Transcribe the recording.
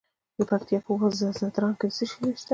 د پکتیا په وزه ځدراڼ کې څه شی شته؟